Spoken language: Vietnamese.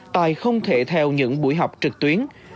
tài không thể theo những buổi học trực tuyến